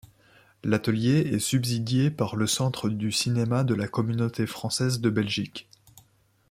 L'Atelier est subsidié par le Centre du Cinéma de la Communauté française de Belgique.